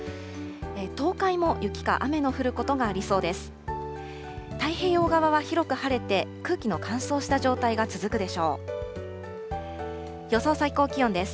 東海も雪か雨の降ることがありそうです。